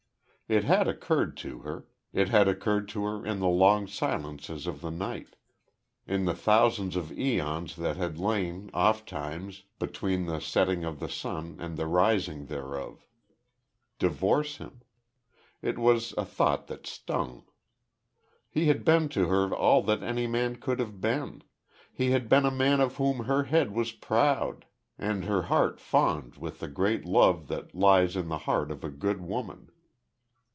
It had occurred to her it had occurred to her in the long silences of the night in the thousands of aeons that had lain, ofttimes, between the setting of the sun and the rising thereof.... Divorce him! ... It was a thought that stung. He had been to her all that any man could have been. He had been a man of whom her head was proud and her heart fond with the great love that lies in the heart of a good woman.